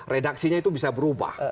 redaksinya itu bisa berubah